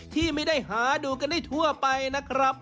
ที่ไม่ได้หาดูกันได้ทั่วไปนะครับ